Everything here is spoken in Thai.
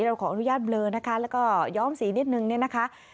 เราขออนุญาตเบลอนะคะแล้วก็ย้อมสีนิดนึงเนี่ยนะคะ